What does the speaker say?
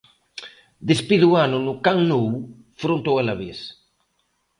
Despide o ano no Camp Nou fronte ao Alavés...